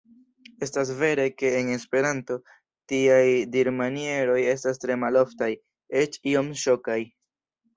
Estas vere, ke en Esperanto, tiaj dirmanieroj estas tre maloftaj, eĉ iom ŝokaj.